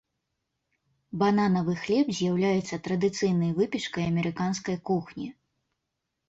Бананавы хлеб з'яўляецца традыцыйнай выпечкай амерыканскай кухні.